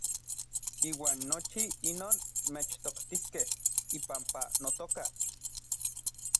Iuan nochi inoj mechtoktiskej ipampa notoka.